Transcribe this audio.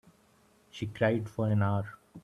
She cried for an hour.